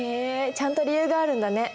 ちゃんと理由があるんだね。